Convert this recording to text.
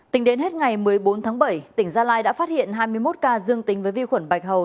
tính đến hết ngày một mươi bốn tháng bảy tỉnh gia lai đã phát hiện hai mươi một ca dương tính với vi khuẩn bạch hầu